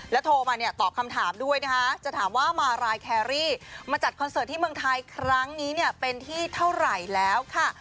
โทรมาเนี่ยตอบคำถามด้วยนะคะจะถามว่ามารายแครรี่มาจัดคอนเสิร์ตที่เมืองไทยครั้งนี้เนี่ยเป็นที่เท่าไหร่แล้วค่ะ